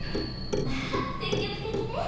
まあ積極的ね！